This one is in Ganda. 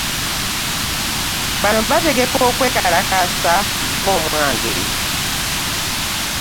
Bano bategeka okwekalakaasa vva omwange.